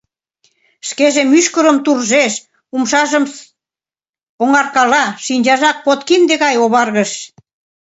Шкеже мӱшкырым туржеш, умшажым оҥаркала, шинчажат подкинде гай оваргыш.